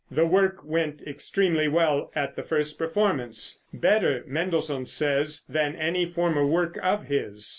The work went extremely well at the first performance better, Mendelssohn says, than any former work of his.